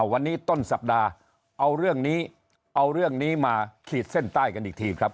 วันนี้ต้นสัปดาห์เอาเรื่องนี้เอาเรื่องนี้มาขีดเส้นใต้กันอีกทีครับ